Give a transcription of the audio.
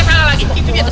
itu dia langsung salah lagi